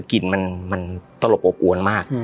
กลิ่นมันตลบอบอวนมาก